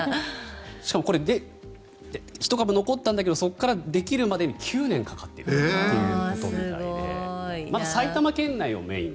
しかも、これ１株残ったんだけどそこからできるまでに９年かかっているということみたいで。